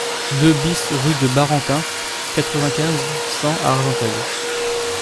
deux BIS rue de Barentin, quatre-vingt-quinze, cent à Argenteuil